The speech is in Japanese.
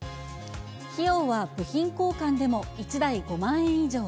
費用は部品交換でも１台５万円以上。